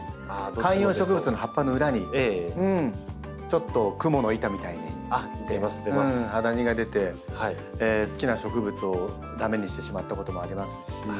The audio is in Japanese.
観葉植物の葉っぱの裏にちょっとクモの糸みたいにハダニが出て好きな植物を駄目にしてしまったこともありますし。